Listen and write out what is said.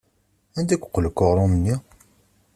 Anda yeqqel akk uɣrum-nni?